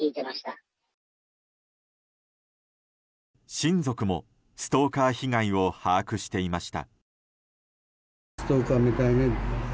親族もストーカー被害を把握していました。